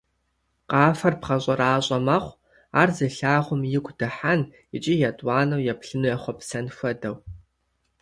Къафэр бгъэщӀэращӀэ мэхъу, ар зылъагъум игу дыхьэн икӀи етӀуанэу еплъыну ехъуэпсэн хуэдэу.